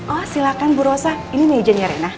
oh silahkan bu rosa ini meja nya rena